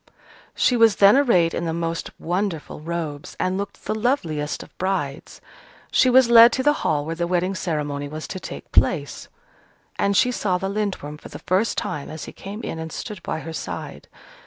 She was then arrayed in the most wonderful robes, and looked the loveliest of brides. She was led to the hall where the wedding ceremony was to take place, and she saw the Lindworm for the first time as he came in and stood by her side.